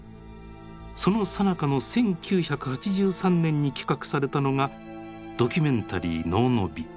そのさなかの１９８３年に企画されたのがドキュメンタリー「能の美」。